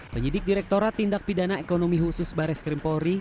penyidik direkturat tindak pidana ekonomi khusus baris krimpori